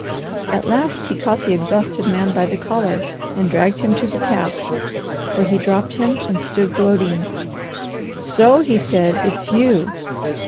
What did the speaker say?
At last he caught the exhausted man by the collar and dragged him to the path, where he dropped him and stood gloating. "So!" he said; "It's you!